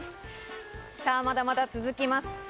さぁ、まだまだ続きます。